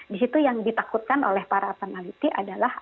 di situ yang ditakutkan oleh para peneliti adalah